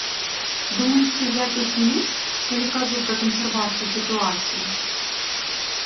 Думаеце, я песіміст, калі кажу пра кансервацыю сітуацыі?